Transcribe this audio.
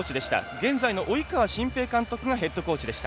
現在の及川晋平監督がヘッドコーチでした。